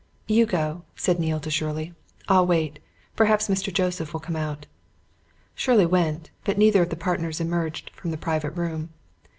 "You go," said Neale to Shirley. "I'll wait. Perhaps Mr. Joseph will come out." Shirley went but neither of the partners emerged from the private room.